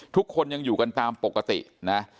ทุกคนยังอยู่กันตามปกตินะ